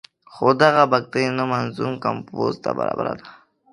خو دغه بګتۍ نه منظوم کمپوز ته برابره ده.